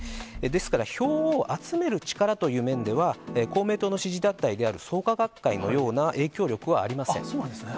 ですから票を集める力という面では、公明党の支持団体である創価学会のような影響力はありません。